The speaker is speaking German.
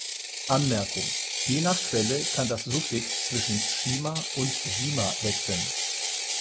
Anmerkung: Je nach Quelle kann das Suffix zwischen "-shima" und "-jima" wechseln.